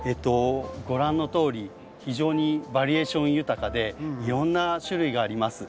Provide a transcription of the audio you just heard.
ご覧のとおり非常にバリエーション豊かでいろんな種類があります。